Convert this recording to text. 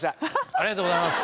ありがとうございます。